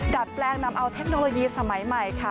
ดัดแปลงนำเอาเทคโนโลยีสมัยใหม่ค่ะ